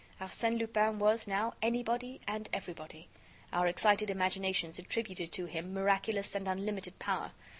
Arsène Lupin was, now, anybody and everybody. Our excited imaginations attributed to him miraculous and unlimited power.